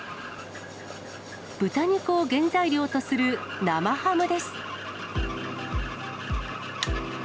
豚肉を原材料とする生ハムです。